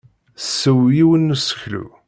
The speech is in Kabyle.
Tessew yiwen n useklu.